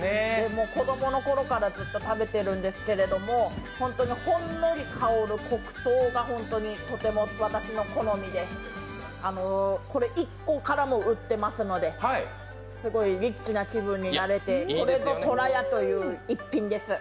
子供の頃からずっと食べているんですけど、ほんのり香る黒糖がとても私の好みで、１個からも売ってますのですごいリッチな気分になれてこれぞとらや、という逸品です。